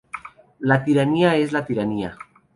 La tiranía es la tiranía.